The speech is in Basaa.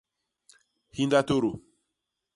Hinda tôdô.